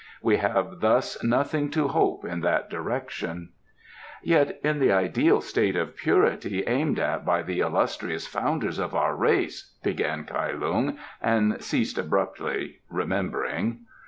We have thus nothing to hope in that direction." "Yet in the ideal state of purity aimed at by the illustrious founders of our race " began Kai Lung, and ceased abruptly, remembering.